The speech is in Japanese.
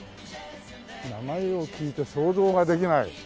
名前を聞いて想像ができない。